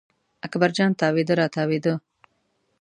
اکبر جان تاوېده را تاوېده.